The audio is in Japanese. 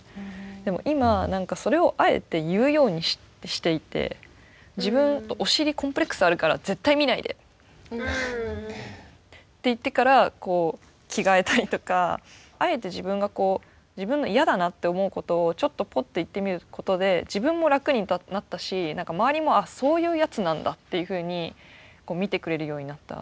でも今それをあえて言うようにしていて自分お尻コンプレックスあるから絶対見ないでって言ってからこう着替えたりとかあえて自分が自分の嫌だなって思うことをちょっとぽっと言ってみることで自分も楽になったし周りも「あそういうやつなんだ」っていうふうに見てくれるようになった。